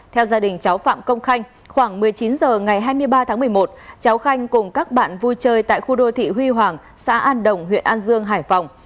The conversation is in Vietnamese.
theo gia đình cháu phạm công khanh khoảng một mươi chín h ngày hai mươi ba tháng một mươi một cháu khanh cùng các bạn vui chơi tại khu đô thị huy hoàng xã an đồng huyện an dương hải phòng